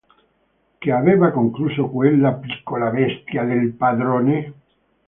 Che aveva concluso quella piccola bestia del padrone?